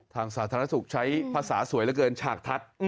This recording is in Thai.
สาธารณสุขใช้ภาษาสวยเหลือเกินฉากทัศน์